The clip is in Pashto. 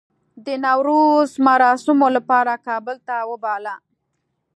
د نوروز مراسمو لپاره کابل ته وباله.